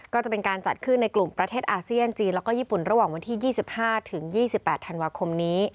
ก็จะเป็นการจัดขึ้นในกลุ่มประเทศอาเซียนจีนแล้วก็ญี่ปุ่นระหว่างวันที่๒๕๒๘ธันวาคมนี้